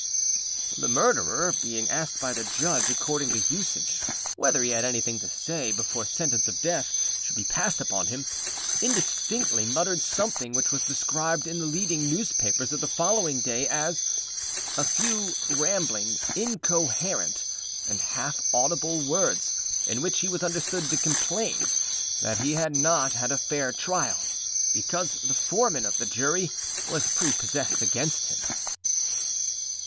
The Murderer, being asked by the Judge, according to usage, whether he had anything to say before sentence of Death should be passed upon him, indistinctly muttered something which was described in the leading newspapers of the following day as âa few rambling, incoherent, and half audible words, in which he was understood to complain that he had not had a fair trial, because the Foreman of the Jury was prepossessed against him.